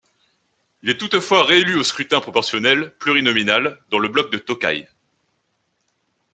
Il est toutefois réélu au scrutin proportionnel plurinominal dans le bloc de Tōkai.